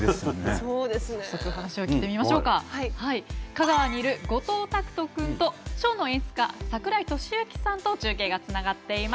香川にいる後藤匠人くんとショーの演出家櫻井俊行さんと中継がつながっています。